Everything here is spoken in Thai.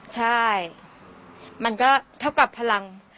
ใช่มันก็เท่ากับพลัง